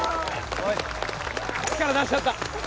力出しちゃった！